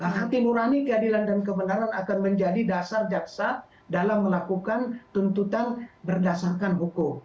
hati nurani keadilan dan kebenaran akan menjadi dasar jaksa dalam melakukan tuntutan berdasarkan hukum